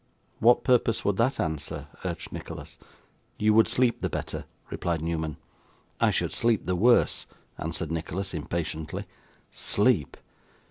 'What purpose would that answer?' urged Nicholas. 'You would sleep the better,' replied Newman. 'I should sleep the worse,' answered Nicholas, impatiently. 'Sleep!